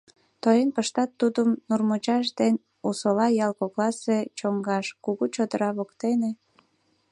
Тоен пыштат тудым Нурмучаш ден Усола ял кокласе чоҥгаш, кугу чодыра воктене...